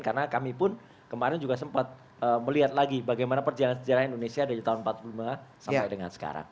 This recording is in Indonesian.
karena kami pun kemarin juga sempat melihat lagi bagaimana perjalanan sejarah indonesia dari tahun seribu sembilan ratus empat puluh lima sampai dengan sekarang